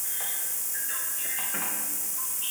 瓦索伊。